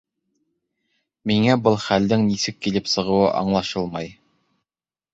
Миңә был хәлдең нисек килеп сығыуы аңлашылмай.